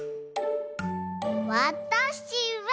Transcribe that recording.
わたしは。